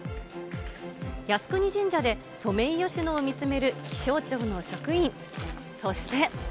靖国神社でソメイヨシノを見つめる気象庁の職員。